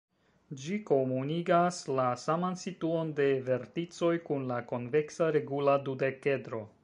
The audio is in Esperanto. Ĝi komunigas la saman situon de verticoj kun la konveksa regula dudekedro.